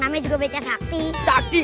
nama juga bc sakti